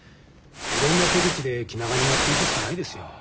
いろんな手口で気長にやっていくしかないですよ。